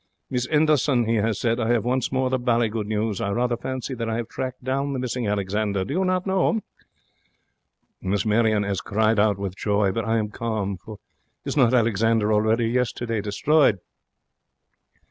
'Miss 'Enderson,' he has said, 'I have once more the bally good news. I rather fancy that I 'ave tracked down the missing Alexander, do you not know?' Miss Marion 'as cried out with joy. But I am calm, for is not Alexander already yesterday destroyed?